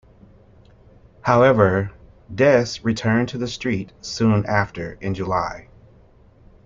However, Des returned to the Street soon after in July.